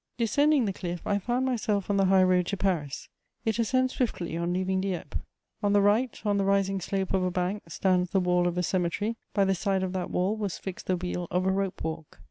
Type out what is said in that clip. Descending the cliff, I found myself on the high road to Paris; it ascends swiftly on leaving Dieppe. On the right, on the rising slope of a bank, stands the wall of a cemetery; by the side of that wall was fixed the wheel of a rope walk.